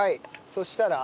そしたら？